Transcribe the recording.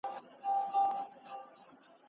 که خویندې کښتۍ والې وي نو بارونه به نه ډوبیږي.